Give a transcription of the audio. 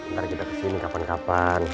ntar kita kesini kapan kapan